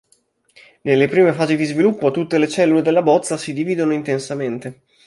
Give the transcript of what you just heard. Nelle prime fasi di sviluppo tutte le cellule della bozza si dividono intensamente.